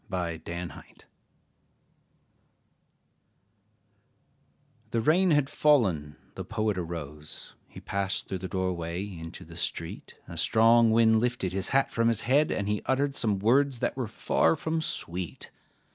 THE POET'S HAT The rain had fallen, the Poet arose, He passed through the doorway into the street, A strong wind lifted his hat from his head, And he uttered some words that were far from sweet.